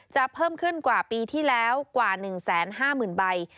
เพิ่มขึ้นกว่าปีที่แล้วกว่า๑๕๐๐๐ใบ